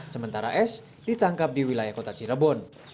sementara s ditangkap di wilayah kota cirebon